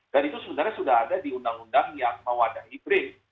dan itu sebenarnya sudah ada di undang undang yang mau ada hybrid